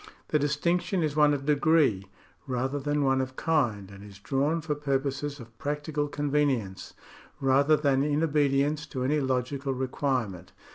The distinction is one of degree, rather than one of kind, and is drawn for purposes of practical convenience, rather than in obedience to any logical requirement.